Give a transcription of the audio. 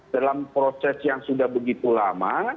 dalam proses yang sudah begitu lama